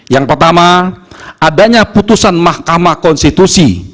yang pertama adanya putusan mahkamah konstitusi